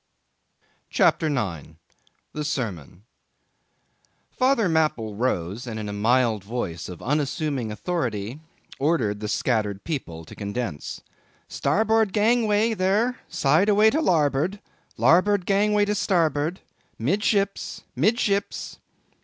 CHAPTER 9. The Sermon. Father Mapple rose, and in a mild voice of unassuming authority ordered the scattered people to condense. "Starboard gangway, there! side away to larboard—larboard gangway to starboard! Midships! midships!"